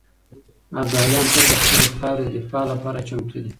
ابداليان تل د خپلې خاورې د دفاع لپاره چمتو دي.